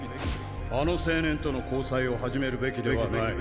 あの青年との交際を始めるべきではない。